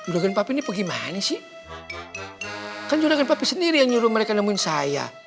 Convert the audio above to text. juragan papi ini apa gimana sih kan juragan papi sendiri yang nyuruh mereka nemuin saya